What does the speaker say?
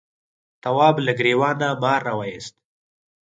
تواب له گرېوانه مار راوایست.